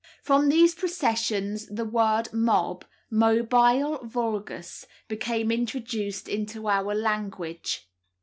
From these processions the word MOB (mobile vulgus) became introduced into our language.